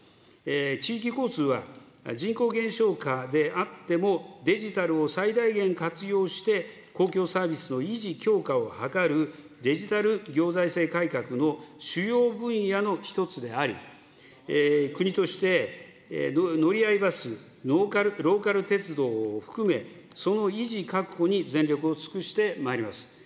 地域交通は、人口減少下であっても、デジタルを最大限活用して、公共サービスの維持強化を図るデジタル行財政改革の主要分野の１つであり、国として乗合バス、ローカル鉄道を含め、その維持、確保に全力を尽くしてまいります。